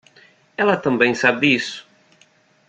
Ela também sabe disso!